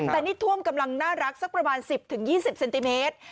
แต่นี่ท่วมกำลังน่ารักสักประมาณสิบถึงยี่สิบเซนติเมตร